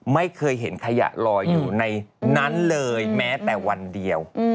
ไม่เคยเห็นขยะลอยอยู่ในนั้นเลยแม้แต่วันเดียว